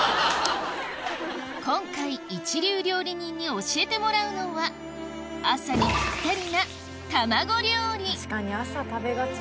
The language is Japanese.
今回一流料理人に教えてもらうのは朝にぴったりな確かに朝食べがち。